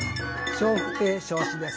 笑福亭松枝です。